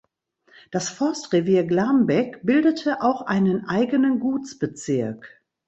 Das Forstrevier Glambeck bildete auch einen eigenen Gutsbezirk.